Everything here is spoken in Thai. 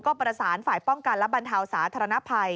ก็ประสานฝ่ายป้องกันและบรรเทาสาธารณภัย